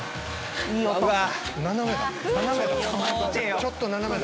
ちょっと斜めだ。